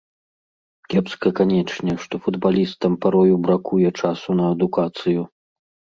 Кепска, канечне, што футбалістам парою бракуе часу на адукацыю.